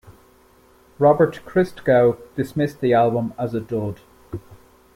Robert Christgau dismissed the album as a "dud".